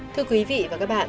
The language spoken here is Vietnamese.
thưa quý vị và các bạn